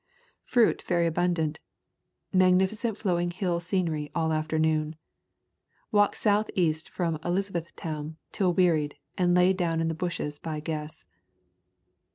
Fruit very abundant. Magnificent flowing hill scenery all afternoon. Walked southeast from Elizabethtown till wearied and lay down in the bushes by guess.